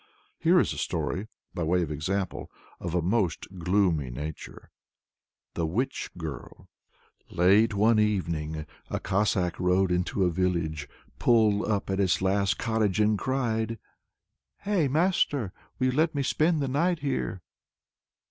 Here is a story, by way of example, of a most gloomy nature. THE WITCH GIRL. Late one evening, a Cossack rode into a village, pulled up at its last cottage, and cried "Heigh, master! will you let me spend the night here?"